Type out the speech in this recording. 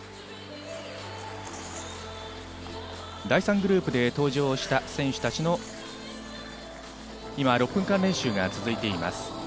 第３グループで登場した選手たちの、今、６分間練習が続いています。